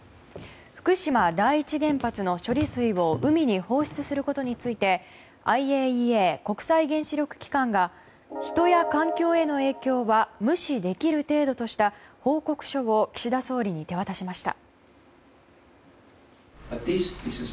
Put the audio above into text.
福島第一原発の処理水を海に放出することについてＩＡＥＡ・国際原子力機関が人や環境への影響は無視できる程度とした報告書を岸田総理に手渡しました。